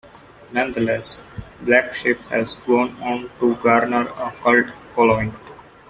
Nonetheless, "Black Sheep" has gone on to garner a cult following.